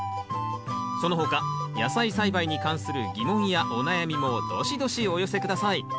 その他野菜栽培に関する疑問やお悩みもどしどしお寄せ下さい。